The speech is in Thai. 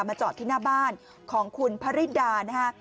จอดที่หน้าบ้านของคุณพระฤดานะฮะ